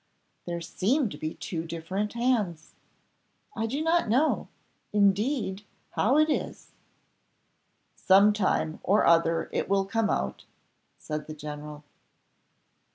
There seem to be two different hands. I do not know, indeed, how it is?" "Some time or other it will come out," said the general.